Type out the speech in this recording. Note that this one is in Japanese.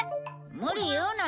無理言うな。